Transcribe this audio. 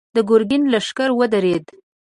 د ګرګين لښکر ودرېد.